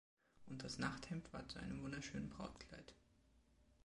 Und das Nachthemd war zu einem wunderschönen Brautkleid.